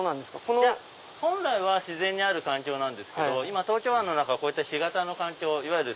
いや本来は自然にある環境なんですけど今東京湾の中こうやって干潟の環境。